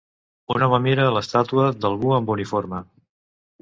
Un home mira l'estàtua d'algú amb uniforme.